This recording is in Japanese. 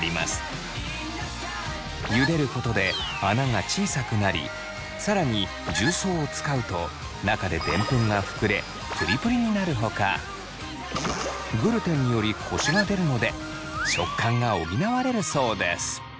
ゆでることで穴が小さくなり更に重曹を使うと中でデンプンが膨れプリプリになるほかグルテンによりコシが出るので食感が補われるそうです。